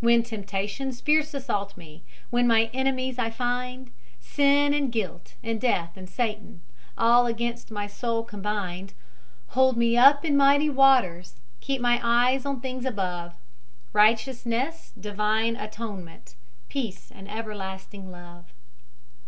When temptations fierce assault me, When my enemies I find, Sin and guilt, and death and Satan, All against my soul combined, Hold me up in mighty waters, Keep my eyes on things above, Righteousness, divine Atonement, Peace, and everlasting Love.